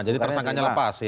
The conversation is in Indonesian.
jadi tersangkanya lepas ya